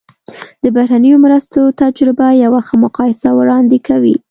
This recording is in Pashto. د بهرنیو مرستو تجربه یوه ښه مقایسه وړاندې کوي.